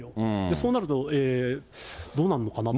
そうなるとどうなるのかなと。